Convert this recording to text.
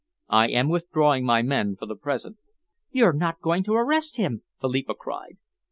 I am withdrawing my men for the present." "You're not going to arrest him?" Philippa cried.